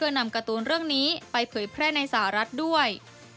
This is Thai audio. นำการ์ตูนเรื่องนี้ไปเผยแพร่ในสหรัฐด้วย